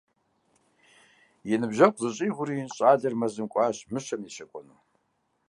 И ныбжьэгъу зыщӏигъури, щӏалэр мэзым кӏуащ мыщэм ещэкӏуэну.